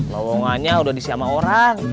lohongannya udah disiamah orang